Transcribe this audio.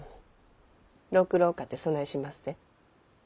六郎かてそないしまっせ。